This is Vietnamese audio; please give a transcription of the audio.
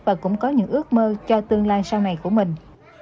và cũng có những ước mơ cho tương lai sau này của mình